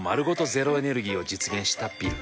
ゼロエネルギーを実現したビル。